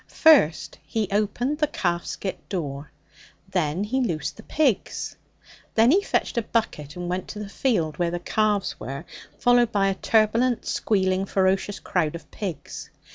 First he opened the calfskit door; then he loosed the pigs; then he fetched a bucket and went to the field where the calves were, followed by a turbulent, squealing, ferocious crowd of pigs.